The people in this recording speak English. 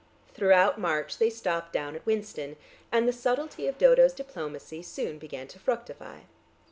Throughout March they stopped down at Winston, and the subtlety of Dodo's diplomacy soon began to fructify.